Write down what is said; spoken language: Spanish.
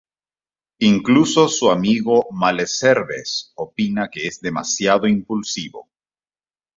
Incluso su amigo Malesherbes opina que es demasiado impulsivo.